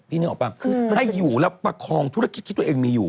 นึกออกป่ะให้อยู่แล้วประคองธุรกิจที่ตัวเองมีอยู่